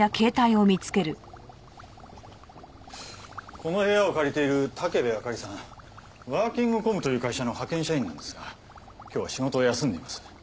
この部屋を借りている武部あかりさんワーキングコムという会社の派遣社員なんですが今日は仕事を休んでいます。